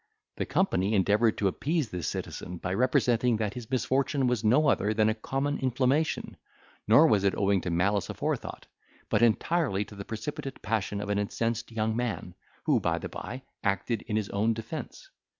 The company endeavoured to appease this citizen, by representing that his misfortune was no other than a common inflammation, nor was it owing to malice aforethought, but entirely to the precipitate passion of an incensed young man, who, by the bye, acted in his own defence.